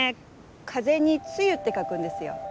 「風」に「露」って書くんですよ。